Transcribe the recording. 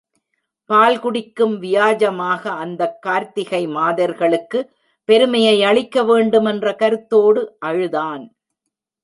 பால் குடிக்கும் வியாஜமாக அந்தக் கார்த்திகை மாதர்களுக்கு பெருமையை அளிக்க வேண்டுமென்ற கருத்தோடு அழுதான்.